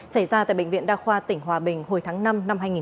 xảy ra tại bệnh viện đa khoa tỉnh hòa bình hồi tháng năm năm hai nghìn một mươi ba